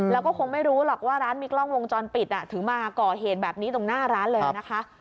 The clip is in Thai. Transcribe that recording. แล้วก็คงไม่รู้หรอกว่าร้านมีกล้องวงจรปิดถึงมาก่อเหตุแบบนี้ตรงหน้าร้านเลยนะคะ